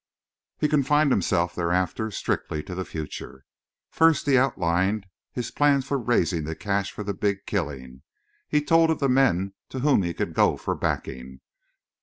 He confined himself, thereafter, strictly to the future. First he outlined his plans for raising the cash for the big "killing." He told of the men to whom he could go for backing.